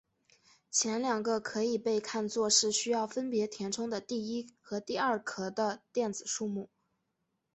前两个可以被看作是需要分别填充的第一和第二壳的电子数目。